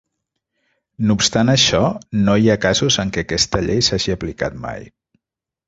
No obstant això, no hi ha casos en què aquesta llei s'hagi aplicat mai.